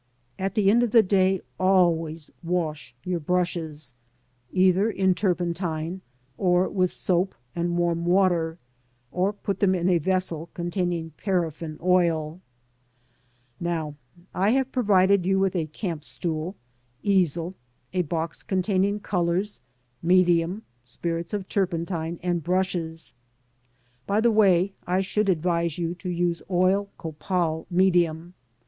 At the end of the day's work always wash your brushes, either in turpentine or with soap and warm water, or put them in a vessel containing paraffin oil Now I have provided you with camp stool, easel, a box con taining colours, medium, spirits of turpentine and brushes. By the way, I should advise you to use oil copal medium.